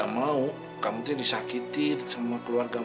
mas kevin kau bangun